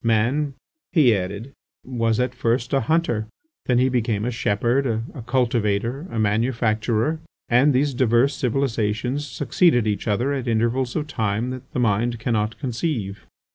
"Man," he added, "was at first a hunter, then he became a shepherd, a cultivator, a manufacturer ... and these diverse civilizations succeeded each other at intervals of time that the mind cannot conceive."